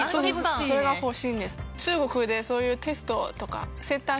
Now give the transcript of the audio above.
それが欲しいです。